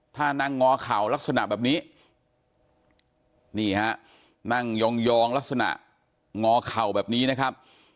ถ้านั่งงอเข่าลักษณะแบบนี้นี่ฮะนั่งยองลักษณะงอเข่าแบบนี้นะครับ